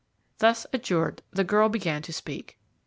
Thus adjured, the girl began to speak.